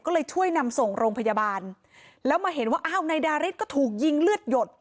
ก็เลยช่วยนำส่งโรงพยาบาลแล้วมาเห็นว่าอ้าวนายดาริสก็ถูกยิงเลือดหยด